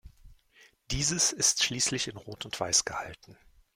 Dieses ist schließlich in Rot und Weiß gehalten.